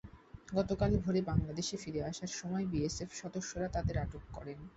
গতকাল ভোরে বাংলাদেশে ফিরে আসার সময় বিএসএফ সদস্যরা তাঁদের আটক করেন।